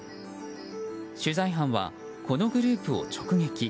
取材班はこのグループを直撃。